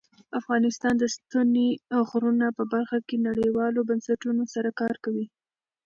افغانستان د ستوني غرونه په برخه کې نړیوالو بنسټونو سره کار کوي.